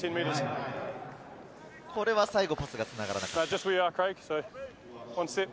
これは最後、パスがつながらなかった。